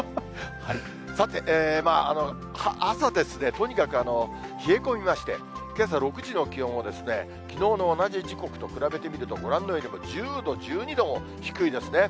さて、朝ですね、とにかく冷え込みまして、けさ６時の気温をきのうの同じ時刻と比べてみると、ご覧のように、１０度、１２度も低いですね。